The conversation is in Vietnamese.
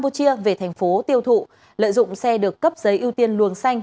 phòng cảnh sát điều tra tội phạm về thành phố tiêu thụ lợi dụng xe được cấp giấy ưu tiên luồng xanh